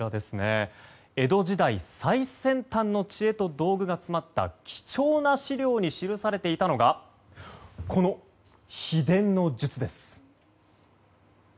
江戸時代最先端の知恵と道具が詰まった貴重な資料に記されていたのが秘伝の術です。